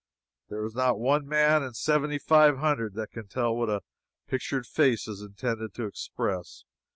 There is not one man in seventy five hundred that can tell what a pictured face is intended to express.